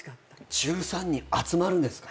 １３人集まるんですか？